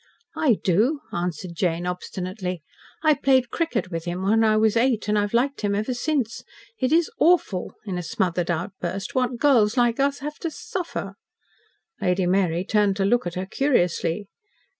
"I do," answered Jane obstinately. "I played cricket with him when I was eight, and I've liked him ever since. It is AWFUL," in a smothered outburst, "what girls like us have to suffer." Lady Mary turned to look at her curiously.